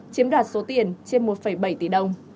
chiếm đoạt số tiền trên một bảy tỷ đồng